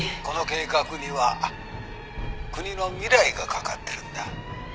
「この計画には国の未来がかかってるんだ」